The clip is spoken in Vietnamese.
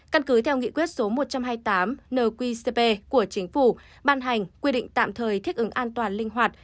căn cứ theo nghị quyết số một trăm hai mươi tám nqcp của chính phủ ban hành quy định tạm thời thích ứng an toàn linh hoạt